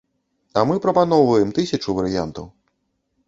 А мы прапаноўваем тысячу варыянтаў.